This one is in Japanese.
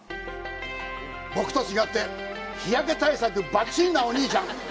僕と違って日焼け対策バッチリなお兄さん。